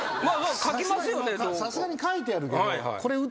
さすがに書いてやるけど。